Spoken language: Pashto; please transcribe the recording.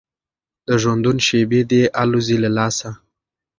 د ژوندون شېبې دي الوزي له لاسه